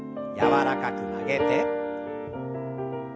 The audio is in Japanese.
柔らかく曲げて。